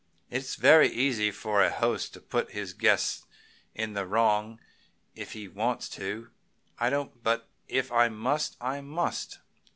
It is very easy for a host to put his guests in the wrong if he wants to. I don't, but if I must, I must."